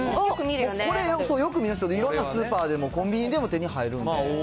これ、よく見るんです、いろんなスーパーでも、コンビニでも手に入るんで。